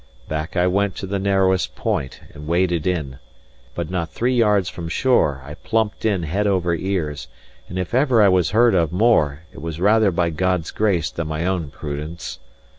Back I went to the narrowest point and waded in. But not three yards from shore, I plumped in head over ears; and if ever I was heard of more, it was rather by God's grace than my own prudence.